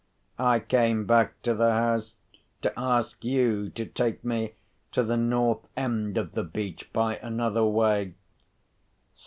I came back to the house to ask you to take me to the north end of the beach by another way.